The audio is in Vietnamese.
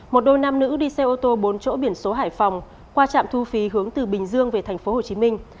một đôi nam nữ đi xe ô tô bốn chỗ biển số hải phòng qua trạm thu phí hướng từ bình dương về thành phố hồ chí minh